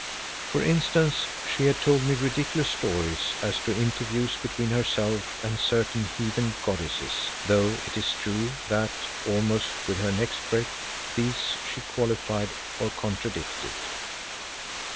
For instance, she had told me ridiculous stories as to interviews between herself and certain heathen goddesses, though it is true that, almost with her next breath, these she qualified or contradicted.